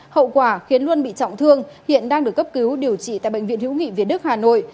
hậu quả khiến luân bị trọng thương hiện đang được cấp cứu điều trị tại bệnh viện hữu nghị việt đức hà nội